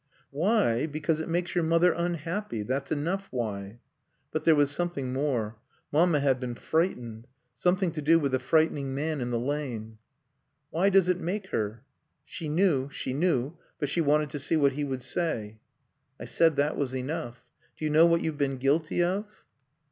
"Why? Because it makes your mother unhappy. That's enough why." But there was something more. Mamma had been frightened. Something to do with the frightening man in the lane. "Why does it make her?" She knew; she knew; but she wanted to see what he would say. "I said that was enough.... Do you know what you've been guilty of?"